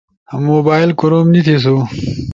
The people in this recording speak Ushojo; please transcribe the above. موبائل کوروم نی تھیسو۔